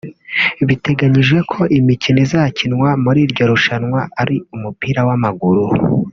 Biteganijwe ko imikino izakinwa muri iryo rushanwa ari umupira w’amaguru